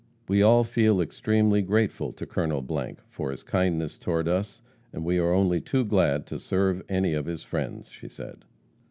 We all feel extremely grateful to Col. , for his kindness toward us, and we are only too glad to serve any of his friends,' she said.